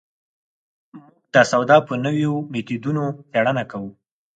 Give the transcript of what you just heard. موږ د سودا په نویو مېتودونو څېړنه کوو.